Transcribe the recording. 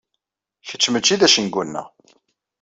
Kečč mačči d acengu-nneɣ.